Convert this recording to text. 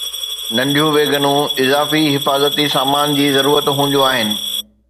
ننڍيون ويگنون اضافي حفاظتي سامان جي ضرورت هونديون آهن